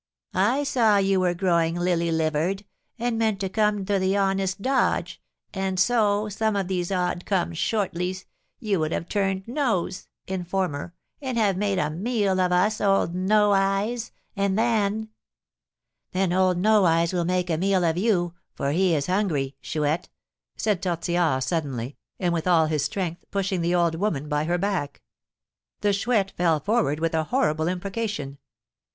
I saw you were growing lily livered, and meant to come the 'honest dodge;' and so, some of these odd come shortlies, you would have turned 'nose' (informer), and have 'made a meal' of us, old No Eyes; and then " "Then old No Eyes will make a meal of you, for he is hungry, Chouette," said Tortillard, suddenly, and with all his strength pushing the old woman by her back. The Chouette fell forward with a horrible imprecation.